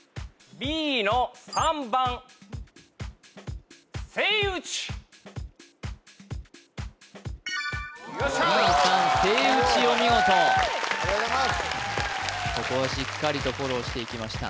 Ｂ３せいうちお見事ここはしっかりとフォローしていきました